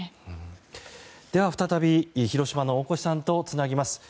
では再び広島の大越さんとつなぎます。